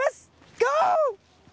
ゴー！